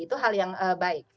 itu hal yang baik